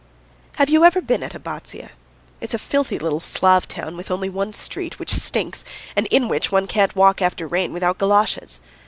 Have you ever been at Abbazzia? It's a filthy little Slav town with only one street, which stinks, and in which one can't walk after rain without goloshes.